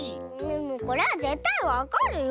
これはぜったいわかるよ。